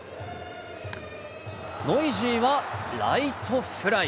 ノイジーはライトフライ。